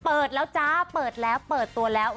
เปิดแล้วจ้าเปิดแล้วเปิดตัวแล้ว